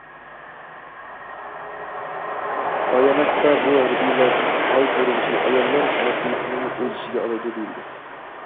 باياناتتا: بۇ ھەربىيلەردىن ھال سورىغۇچى ئاياللار مەسىلىسىنىمۇ ئۆز ئىچىگە ئالىدۇ دېيىلدى.